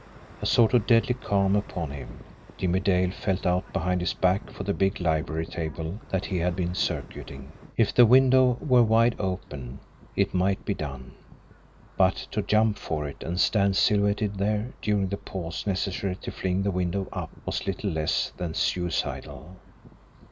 A sort of deadly calm upon him, Jimmie Dale felt out behind his back for the big library table that he had been circuiting if the window were wide open it might be done, but to jump for it and stand silhouetted there during the pause necessary to fling the window up was little less than suicidal.